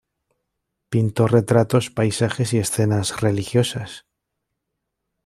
Pintó retratos, paisajes y escenas religiosas.